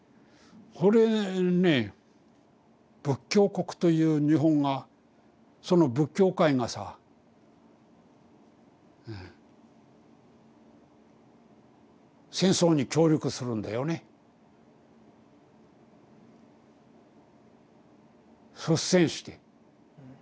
それね仏教国という日本がその仏教界がさ戦争に協力するんだよね率先して。